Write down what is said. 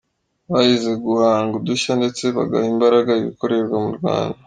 Bahize guhanga udushya, ndetse bagaha imbaraga ibikorerwa mu Rwanda.